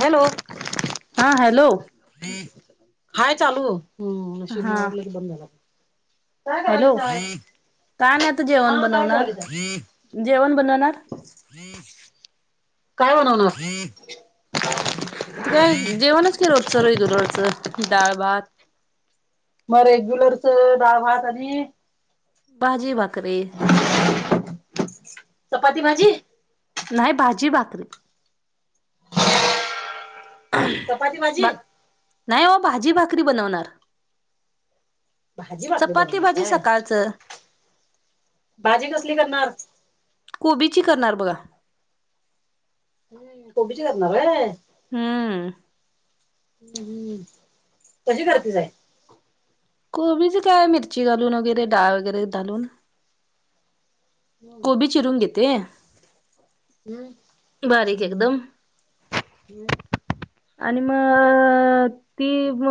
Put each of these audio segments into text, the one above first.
Hello! हा hello! Hi चालू हम् नशीब हा मला वाटलं की बंद झाला. काय हॅलो करालीसाय काय नाही आता जेवण हा काय बनवणार करालीसाय. जेवण बनवणार. काय बनवणार? आता काय जेवणच कि रोजच रेग्युलरच डाळ भात मग रेग्युलर डाव भात आणि- भाजी भाकरी. चपाती भाजी. नाही भाजी भाकरी. [inaudible] चपाती भाजी भात नाही हो भाजी भाकरी बनवणार. भाजी भाकरी चपाती बनवणार भाजी काय सकाळचं. भाजी कसली करणार. कोबी ची करणार बघा. हम्म कोबीची करणार हाय. हा अ. हम्म कशी करतीच आहे. कोबीची काय मिरची घालून वगैरे डाळ वगैरे घालून. हम्म कोबी चिरून घेते. हम्म. बारीक एकदम. हम्म. आणि म ती म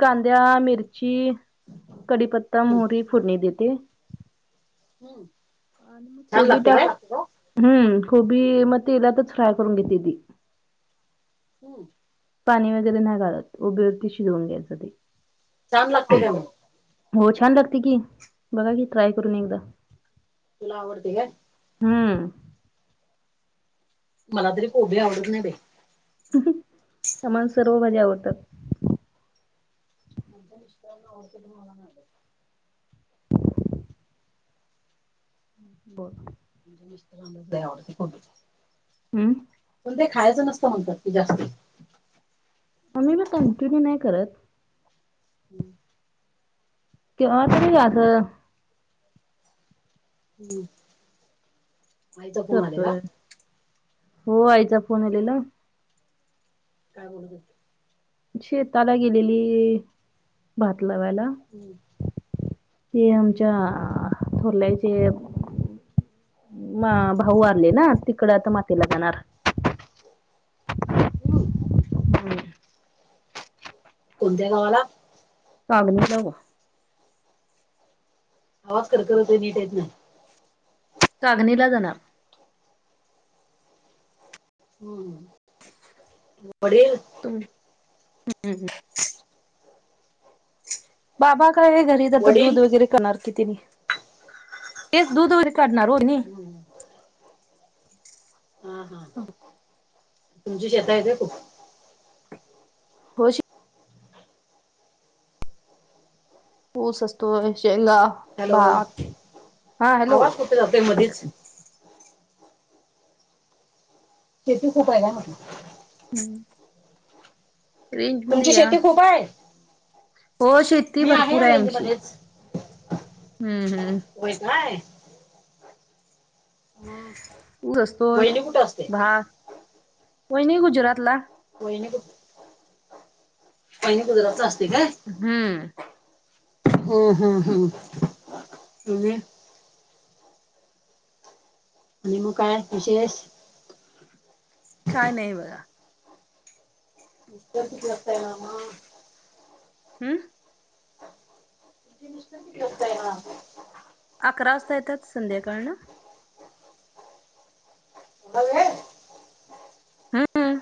कांद्या मिरची. कडीपत्ता मोहरी फोडणी देते. हम्म. छान कोबी लागते काय टाकला हम्म गोबी म इलाातच फ्रय करून घेते ती. हम. पाणी वगैरे नाही घालत उभेवरती शिजवून घ्याच ते. छान लागते का मग. हो छान लागते की बघा की ट्राय करून एकदा. तुला आवडते काय. हम्म. मला तरी कोभी आवडत नाही बेई. हम्म समान सर्व भाज्या आवडतात. अजन इ र्ती मणाण. बर. म्हणजे मिस्त्रां द [unintelligible] हम्म. पण ते खायचं नसतं म्हणतात की जाती. आम्ही बी कंटिन्यू नाही करत. हम्म. ते तरी आलं. हम. करतोय हो आईचा फोन आलेला. काय बोलत होती. शेताला गेलेली भात लावायला. होते. ते हम्म. आमच्या थोरल्या आईचं एक. म भाऊ वारलेला तिकडे आता मातीला जाणार. हम. कोणत्या गावाला. कागणी ला वो. आवाज खर खरं नीट येत नाय. कागनीला जाणार. हम्म बर. तुम्ही हम हम. बाबा काय घरीच आता वडील दूध वगैरे करणार कि तिनी. तेच दूध उरी काढणार ओ हेनी. हा हा हा तुमची शेत येते खूप. होश ऊस असतो, शेंगा, हॅलो भात, हा हॅलो आवाज कुठे जातोय मधीच शेती खूप आहे काय म्हटलं? हम्म. रेंज मध्ये तुमची या. शेती खूप आहे हो शेती मी भरपूर आहे रेंज आमची. मध्येच हम्म हम्म. व्हय काय? ऊस असतोय वहिणी कुठे असते? हो नाही गुजरात ला. वहिने कु पहिने गुजराता असते का. हम्म. हम् हम् हम् त आणि मग काय विशेष. काय नाही बघा. इ त ग असतय नाम. हम्म. [unintelligible] अकरा वाजता येतात संध्याकाळ ना. ब आहे. हम्मम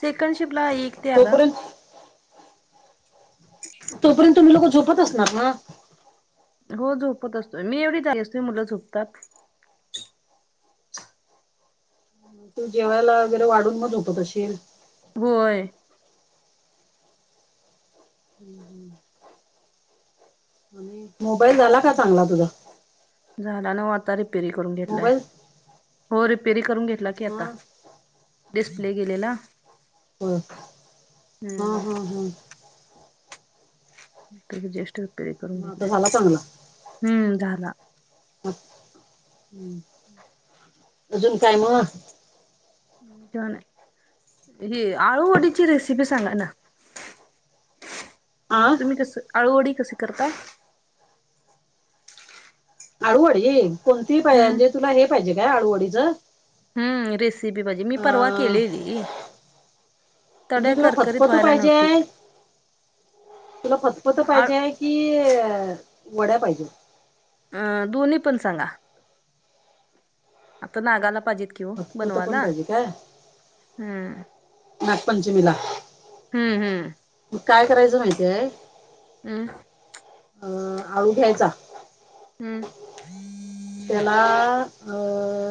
सेकंड शिपला आहे एक ते आला. तोपर्यंत तोपर्यंत तुम्ही लोक झोपत असणार ना. हो झोपत असतो मी एवढी जागी असते मुलं झोपतात. तू जेवायला वगैरे वाढून मच होतो तशील. होय. मोबाईल झाला का चांगला तुझा? झाला न आता रिपेरी करून घेतलाय मोबाईल हो रिपेरी करून घेतला. आता हा डिस्प्ले गेलेला. हो हा हा हम्म हा. त जेस्. ह त झाला चांगला. हम्म झाला. अजून काय मग. ठछन आहे ही आळूवडीची रेसिपी सांगा ना [inaudible] आ. तुम्ही कसं आळूवडी कशी करताय. आळूवडी कोणती पाहि हम्म म्हणजे तुला हे पाहिजे काय आळूवडीचं? हम्म रेसिपी भाजे मी परवा अ केले ती. म्हणजे तुला फतपत व्हायला पाहिजे नव्हती तुला फतपत आळ पाहिजेय. कि वड्या पाहिजे. अ दोन् पण सांगा. आता नागायला पाहिजेत कि ओ फतपत पण बनवायला पाहिजे काय हम्म नागपंचमीला हम्म हम्म मग काय करायचं माहितीय हम्म अ आळू घ्यायचा हम्म त्याला अ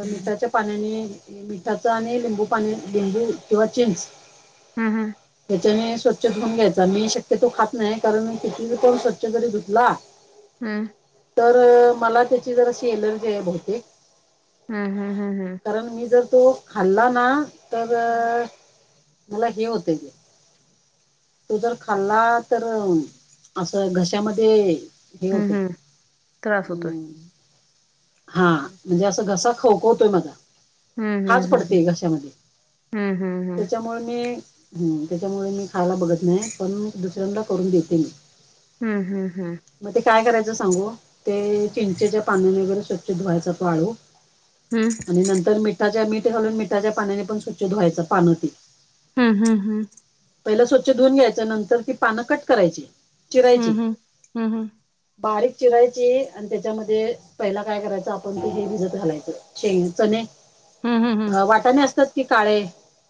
मिठाच्या पाण्याने मिठाच आणि लिंबू पाणी लिंबू किंवा चिंच हम् हम हच्याने स्वच्छ धुऊून घ्यायचा मी शक्यतो खात नाही कारण किती कोण स्वच्छ जरी धुतला हम् तर मला त्याची जराशी एलर्जी आहे बहुतेक हम् हम्म हम् हम कारण मी जर तो खाल्ला ना तर मला हे होतय ते तो जर खाल्ला तर असं घशामध्ये हे होतय हम्म हम्म त्रास होतोय हम्म हा हम्म म्हणजे असं घसा खवखवतोय माझा. हम्म खाज हम्म पडते घशामध्ये हम्म हम्म हम्म त्याच्यामुळे मी हम त्याच्यामुळे मी खायला बघत नाही पण दुसऱ्यांंन करून देते मी हम्म हम्म हम् मग ते काय करायचं सांगू ते चिंचेच्या पाण्याने वगैरे स्वच्छ धुवायच तो आळू आणि नंतर मिठाच्या मीठ घालून मिठाच्या पाण्याने पण स्वच्छ धुवायचं पानं ती हम्म हम्म हम् पहिल स्वच्छ धुवून घ्यायच् नंतर ती पानं कट करायची चिरायची हम्म हम्म हम्म बारीक चिरायची आणि त्याच्यामध्ये पहिला काय करायचं आपण ते हे भिजत घालायचं. शेंग चणे हम्म हम्म वाटाणे असतात की काळे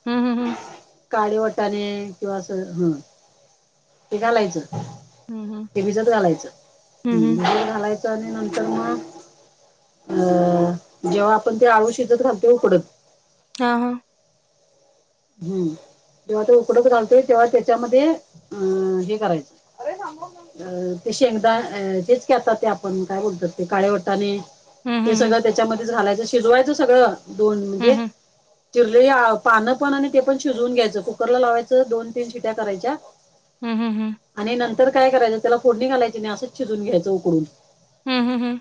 हम् हम हम काळे वटाणे किंवा अस ह ते घालायचं हम्म हे भिजत घालायचं हम्म हम्म भिजत घालायचं आणि नंतर मग, अ जेव्हा आपण ते आळू शिजत घालतो की उकडत हा हा हम्म जेव्हा त उकडत घालतोय तेव्हा त्याच्यामध्ये हे घालायचं अ ते शेंगदा आ तेच की आता ते आपण काय बोलतात ते काळे वटाणे हे हम्म सगळं त्याच्यामध्येच घालायचं शिजवायचं सगळं दोन म्हणजे हम्म हम्म चिरलेले पानं पण आणि ते पण शिजवून घ्यायचं कुकरला लावायचं दोन तीन शिट्या करायच्या. हम् हम हम आणि नंतर काय करायचं त्याला फोडणी घालायची नाही असंच शिजवून घ्यायचं उकडून हम् हम हम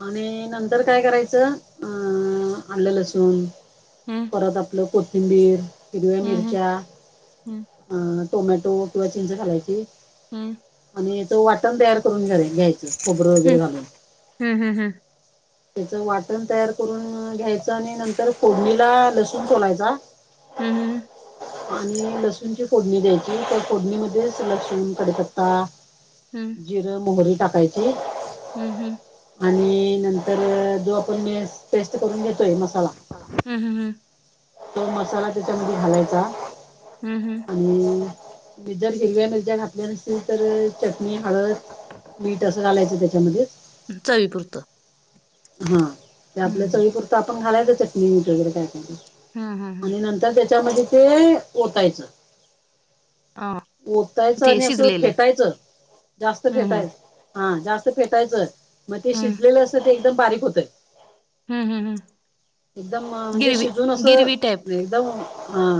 आणि नंतर काय करायचं अ आलं लसूण परत आपलं कोथिंबीर, हिरव्या हम्म हम्म हम्म हम्म हम्म हम्म हम्म हम्म मिरच्या, अ टोमॅटो किंवा चिंच घालायची. हम्म आणि याच वाटण तयार करून घ घ्यायचं खोबरं वगैरे घालून. त्याचं वाटण तयार करून घ्यायचं आणि नंतर फोडणीला लसूण सोलायचा. हम् हम आणि लसूणची फोडणी द्यायची तर फोडणी मध्येच लसूण, कडीपत्ता, जिरं, मोहरी टाकायची, हम् हम् आणि नंतर जो आपण मेन पेस्ट करून घेतोय मसाला हम् हम हम् तो मसाला त्याच्यामध्ये घालायचा हम् हम आणि जर हिरव्या मिरच्या घातल्या नसतील तर, चटणी, हळद, मीठ असं घालायचं त्याच्यामध्ये चवीपुरतं हा ते आपलं चवीपुरतं आपण घालायचं चटणी, मीठ वगैरे, काय हम्म हम्म काय आणि तर त्याच्यामध्ये ते ओतायचं अ ओतायचं ते आणि असं शिजलेलं फेटायचं जास्त हम्म हम्म फेटायचं हा जास्त फेटायचंय मग ते हम्म शिजलेले असं ते एकदम बारीक होतय हम् हम् हम एकदम म्हणजे शिजून असं गिरवी टाईप एकदम हा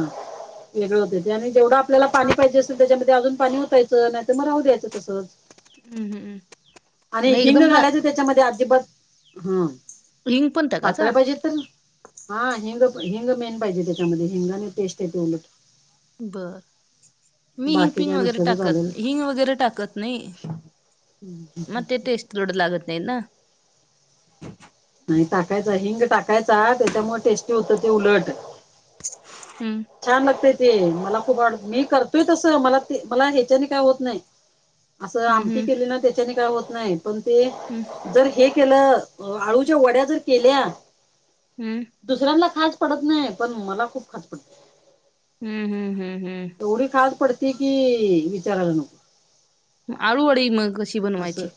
वेगळं होत ते आणि जेवढं आपल्याला पाणी पाहिजे असेल त्याच्यामध्ये अजून पाणी ओतायच च नाही तर मग राहू द्याचं तसच हम्म हम्म आणि मग हिंग एकदम घालायचं त्याच्यामध्ये अजिबात हम हिंग पण टाकायचा पातल्या पाहिजेत हा हिंग हिंग मेन पाहिजे त्याच्यामध्ये हिंगाने टेस्ट आहे ते उलट बर मी बाकी हिंगपिंग काय वगैरे नसलं तर टाकत चालेल हिंग वगैरे टाकत नाही हम्म हम ते टेस्ट थोडं लागत नाही ना नाही टाकायच हिंग टाकायचा त्याच्यामुळे टेस्टी होत ते उलट हम्म छान लागतेय ते मला खूप आवड मी करतोय तसं मला ते मला ह्याच्याने काय होत नाही असं आमट हम्म केली ना त्याच्याने काय होत नाही पण ते हम् जर हे केलं आळूच्या वड्या जर केल्या हम्म दुसऱ्यांना खास पडत नाही पण मला खूप खास पडत हम्म हम्म हम्म हम्म तेथोडी खात पडती की विचाराला न आळूवाडी मग कशी असं बनवायची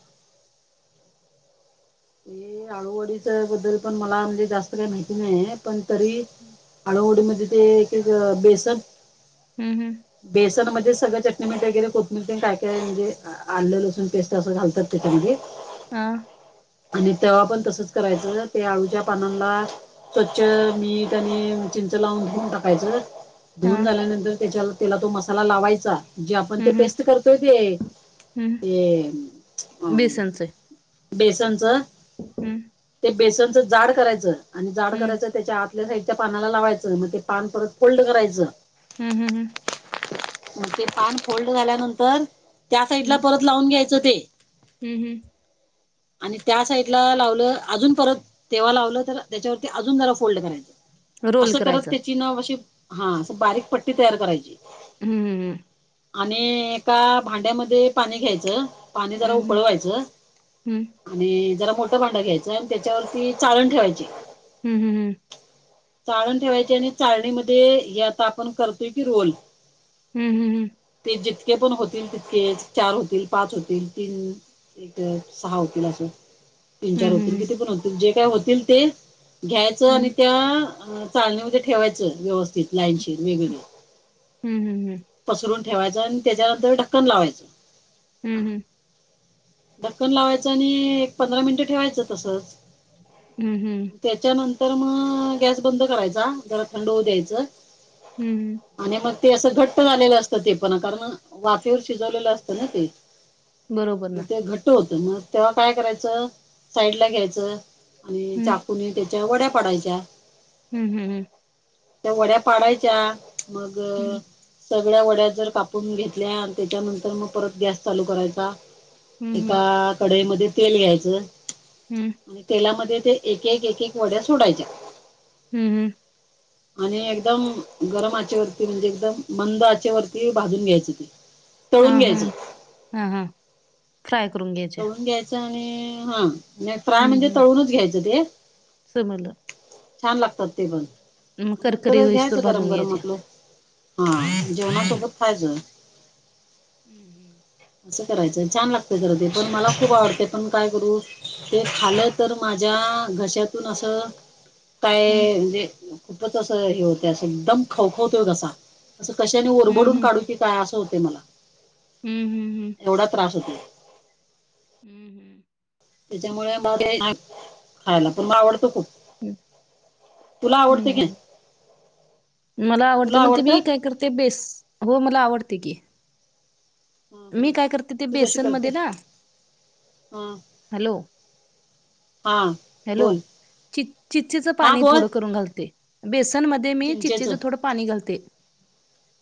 हे आळूवडीच्या बद्दल पण मला म्हणजे जास्त काही माहिती नाही पण तरी आळूहडी मध्ये ते एक बेसन हम् हम् बेसनमध्ये सगळं चटणी मट वगैरे कोप मिळते काय काय म्हणजे आलं लसूण पेस्त असं घालतात त्याच्यागे हं आणि तवा पण तसच करायचं ते आळूच्या पानांला स्वच्छ मी त्यानी चिंच लावून घेऊन टाकायचं हा धुऊन झाल्यानंतर त्याच्या तेला तो मसाला लावायचा जे आपण ते हम्म हम्म पेस्ट करतोय ते हम्म ते अ बेसनच ह् ते बेसनचं जाड करायचं आणि जाड हम्म करायच त्याच्या आतल्या साईडच्या पानाला लावायचं मग ते पान परत फोल्ड करायचं हम् हम हम मग ते पान फोल्ड झाल्यानंतर त्या साईड ला हम्म परत लावून घ्यायचं ते हम्म हम्म आणि त्या साईडला लावलं अजून परत तेव्हा लावलं तर त्याच्यावरती अजून जरा फोल्ड करायचं रोल असं करत करायचा त्याची ना अशी हा अस बारीक पट्टी तयार करायची हम्म हमम आणि एका भांड्यामध्ये पाणी घ्यायचं पाणी जरा हम्म उकळवायचं हम्म आणि जरा मोठं भांडं घ्यायचं आणि त्याच्यावरती चाळण ठेवायची हम् हम् हम चाळण ठेवायची आणि चाळणीमध्ये हे आता आपण करतोय की रोल हम् हम् हम ते जितके पण होतील तितके चार होतील पाच होतील तीन एक सहा वकिला असं तीन हम्म चार हम्म होतील हम्म किती पण होतील जे काय होतील ते घ्यायचं आणि हम्म त्या चालणीमध्ये ठेवायचं व्यवस्थित लाईनशीर वेगळे हम् हम् हम पसरून ठेवायचं आणि त्याच्यानंतर ढक्कन लावायचं हम् हम् ढक्कन लावायचं आणि एक पंधरा मिनिटं ठेवायचं तसंच हम्म. हम्म. त्याच्यानंतर मग गॅस बंद करायचा. जरा थंड होऊ द्यायचं. हम्म. आणि मग ते असं घट्ट झालेलं असतं ते पण कारण, वाफेवर शिजवलेलं असतं ना ते. बरोबर ना घट होत मग तेव्हा काय करायच साईड ला घ्यायचं आणि हम्म चाकून ते वड्या पडायच्या. हम् हम् हम त्या वड्या पाडायच्या मग सगळ्या वड्या जर कापून घेतल्या त्याच्यानंतर मग परत गॅस चालू करायचा. हम्म हम्म एका कडईमध्ये तेल घ्यायचं. हम्म आणि तेलामध्ये ते एक, एक, एक, एक वड्या सोडायच्या. हम्म, हम्म. आणि एकदम गरम आचेवरती म्हणजे एकदम मंद आचे वरती भाजून घ्यायचे ते. आ तळून घ्यायचं हम. हा. हा. फ्राय करून घ्यायचं. तळून घ्यायचं आणि हा, नाही फ्राय हम्म म्हणजे हम्म तळूनच घ्यायचं ते. समजलं. छान लागतात ते पण मग करकरी नंतरच घ्यायचं होईस्तोवर गरम भाजून गरम घ्यायच्या आपलं. हा जेवणा हम्म सोबत खायच. [inaudible] असं करायचं. छान लागत खरं ते, पण मला खूप आवडते, पण काय करू ते खाल्ल तर तर माझ्या घश्यातून असं [inaudible] काय म्हणजे खूपच असं हे होत असं एकदम खवखवतोय घसा. असं कशाने हम्म ओरबडून हम्म काढू की काय असं होते मला. हम्म. हम्. हम्. एवढा त्रास होतो. [inaudible] त्याच्यामुळे मग नाही मिळत खायला पण मग आवडत खूप. हम्म तुला आवडते कि हम्म मला आवडते म्हणजे मी काय करते बेस हो मला आवडते की. हा मी हा काय करते ते तू कशी बेसनमध्ये करतेस ना, हा हॅलो हा हॅलो, बोल चि चिचेचं हा पाणी बोल थोडं करून घालते. बेसन मध्ये मी चिंचेचं चिचेचं थोडं पाणी घालते.